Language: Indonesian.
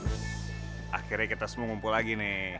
akhirnya kita semua ngumpul lagi nih